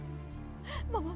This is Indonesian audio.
vedli betul sebelum ini